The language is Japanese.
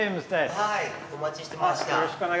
はいお待ちしてました。